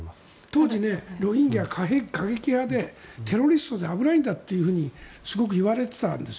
当時、ロヒンギャは過激派で、テロリストで危ないんだというふうにすごく言われていたんです。